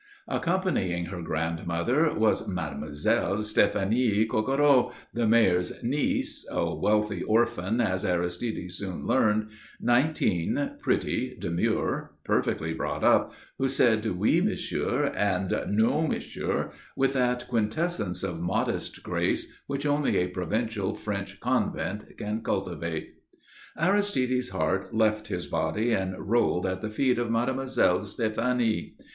Accompanying her grandmother was Mademoiselle Stéphanie Coquereau, the Mayor's niece (a wealthy orphan, as Aristide soon learned), nineteen, pretty, demure, perfectly brought up, who said "Oui, Monsieur" and "Non, Monsieur" with that quintessence of modest grace which only a provincial French Convent can cultivate. Aristide's heart left his body and rolled at the feet of Mademoiselle Stéphanie.